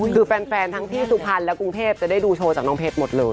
คือแฟนทั้งพี่สุพรรณและกรุงเทพจะได้ดูโชว์จากน้องเพชรหมดเลย